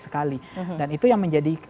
sekali dan itu yang menjadi